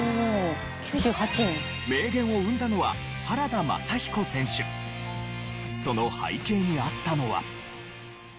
名言を生んだのはその背景にあったのは。